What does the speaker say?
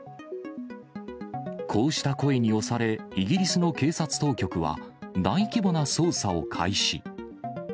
こうした声に押され、イギリスの警察当局は大規模な捜査を開始。